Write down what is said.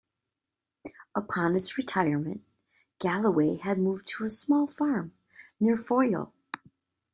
Upon his retirement, Galloway had moved to a small farm near Foyil.